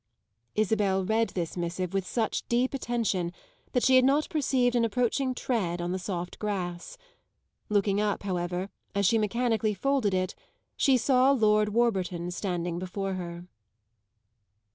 Isabel read this missive with such deep attention that she had not perceived an approaching tread on the soft grass. Looking up, however, as she mechanically folded it she saw Lord Warburton standing before her.